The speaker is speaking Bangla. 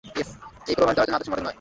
এটা পূর্বাভাস দেয়ার জন্য আদর্শ মডেল নয়!